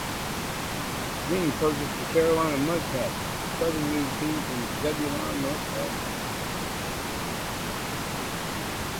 Then, he purchased the Carolina Mudcats, a Southern League team from Zebulon, North Carolina.